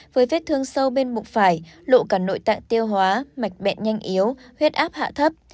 với vết thương sâu bên bụng phải lộ cả nội tạng tiêu hóa mạch bẹn nhanh yếu huyết áp hạ thấp